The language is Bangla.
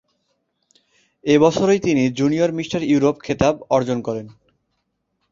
এ বছরই তিনি জুনিয়র মিস্টার ইউরোপ খেতাব অর্জন করেন।